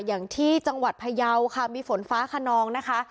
อย่างที่จังหวัดพยาวค่ะมีฝนฟ้าขนองนะคะ